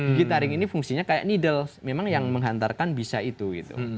gigi taring ini fungsinya kayak niddle memang yang menghantarkan bisa itu gitu